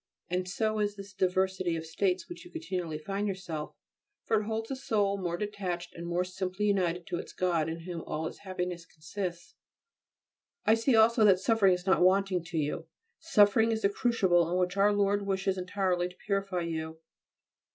And so is this diversity of states in which you continually find yourself, for it holds the soul more detached and more simply united to its God in whom all its happiness consists. I see also that suffering is not wanting to you. Suffering is the crucible in which Our Lord wishes entirely to purify you.